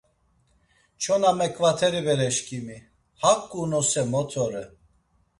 Çona meǩvateri bereşkimi, haǩu unose mot ore!